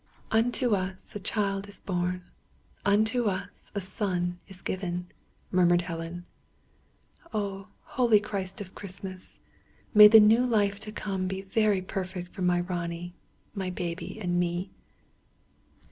"Unto us a Child is born; unto us a Son is given," murmured Helen. "Oh, holy Christ of Christmas, may the new life to come be very perfect for my Ronnie, my baby, and me."